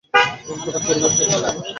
মন খারাপ করে বসে আছিস কেনো?